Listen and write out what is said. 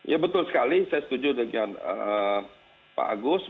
ya betul sekali saya setuju dengan pak agus